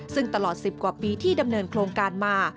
ซึ่งตลอด๑๐กว่าปีที่ดำเนินโครงการมา